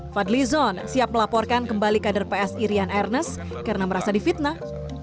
fadli zon siap melaporkan kembali kader ps irian ernest karena merasa difitnah